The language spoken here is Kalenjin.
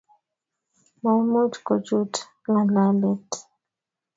Maimuch kochut ngalalet